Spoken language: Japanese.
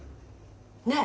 ねえ！